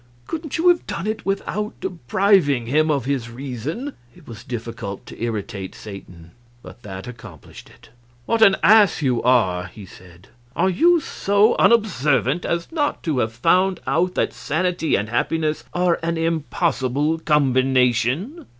Couldn't you have done it without depriving him of his reason?" It was difficult to irritate Satan, but that accomplished it. "What an ass you are!" he said. "Are you so unobservant as not to have found out that sanity and happiness are an impossible combination?